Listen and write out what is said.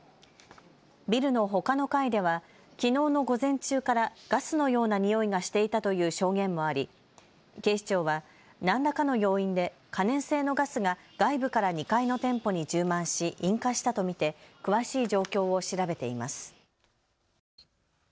ビルのほかの階ではきのうの午前中からガスのようなにおいがしていたという証言もあり警視庁は何らかの要因で可燃性のガスが外部から２階の店舗に充満し引火したと見て詳しい状況を調べています。